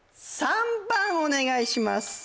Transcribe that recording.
３番お願いします